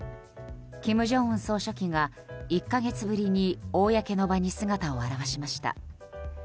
金正恩総書記が１か月ぶりに公の場に姿を現しました。